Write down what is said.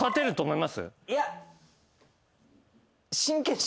いや。